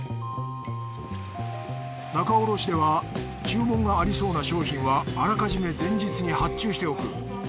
仲卸では注文がありそうな商品はあらかじめ前日に発注しておく。